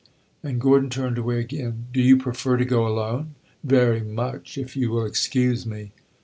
And Gordon turned away again. "Do you prefer to go alone?" "Very much if you will excuse me!"